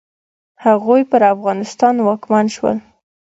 هغوی پر افغانستان واکمن شول.